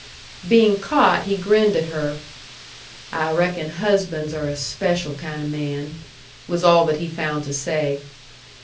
Being caught, he grinned at her. "I reckon husbands are a special kind of man," was all that he found to say.